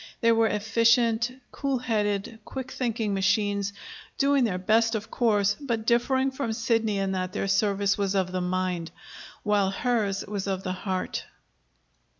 They were efficient, cool headed, quick thinking machines, doing their best, of course, but differing from Sidney in that their service was of the mind, while hers was of the heart.